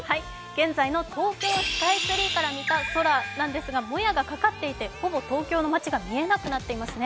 現在の東京スカイツリーから見た東京の空なんですが、もやがかかっていて、ほぼ東京の街が見えなくなっていますね。